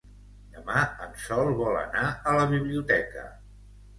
Demà en Sol vol anar a la biblioteca.